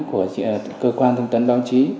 của cơ quan thông tấn đoán trí